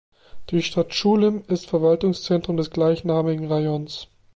Die Stadt Tschulym ist Verwaltungszentrum des gleichnamigen Rajons.